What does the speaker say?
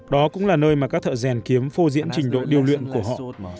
đó cũng là nơi mà các thợ rèn kiếm phô diễn trình độ điêu luyện của họ